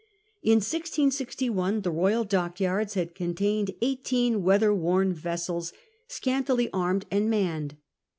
In 1661 the royal dockyards had contained eigh teen weatherworn vessels, scantily armed and manned.